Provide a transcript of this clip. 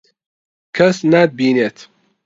کەس ناتبینێت.